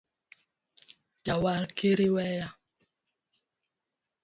Jawar kiri weya